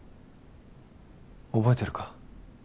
覚えてるか？